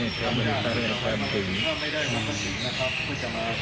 ถ้าพูดอะไรกับพวกเรา